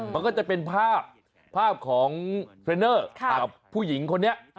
มันก็จะเป็นภาพภาพของเทรนเนอร์กับผู้หญิงคนนี้